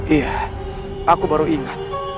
iya aku baru ingat